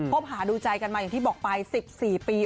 บหาดูใจกันมาอย่างที่บอกไป๑๔ปี